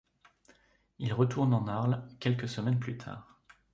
Il retourne en Arles quelques semaines plus tard.